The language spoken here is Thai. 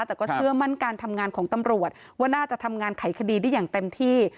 แต่ก็เชื่อมั่นการทำงานของตำรวจว่าน่าจะทำงานไขคดีได้อย่างเต็มที่